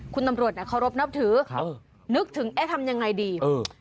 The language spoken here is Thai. คุณตำรวจเนี่ยเคารพนับถือครับเออนึกถึงเอ๊ะทำยังไงดีเออ